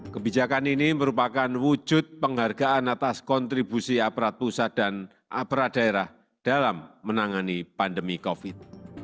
kebijakan ini merupakan wujud penghargaan atas kontribusi aparat pusat dan aparat daerah dalam menangani pandemi covid